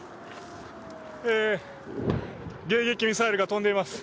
迎撃ミサイルが飛んでいます。